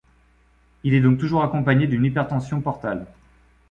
Il est donc toujours accompagné d’une hypertension portale.